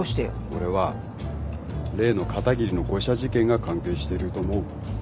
俺は例の片桐の誤射事件が関係していると思う。